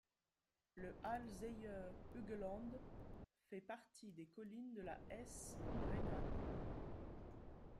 Le Alzeyer Hügelland fait partie des Collines de la Hesse rhénane.